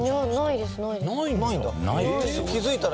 ないんだ。